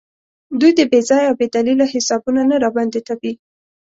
دوی دې بې ځایه او بې دلیله حسابونه نه راباندې تپي.